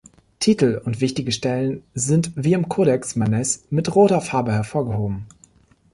Titel und wichtige Stellen sind wie im Codex Manesse mit roter Farbe hervorgehoben.